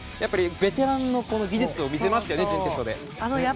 ベテランの技術を見せますよね。